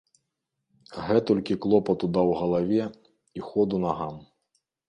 Гэтулькі клопату даў галаве і ходу нагам.